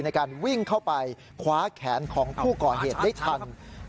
ในการวิ่งเข้าไปคว้าแขนของผู้ก่อเหตุได้ทัน